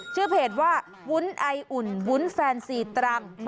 ชื่อเพจว่าวุ้นไออุ่นวุ้นแฟนซีตรัง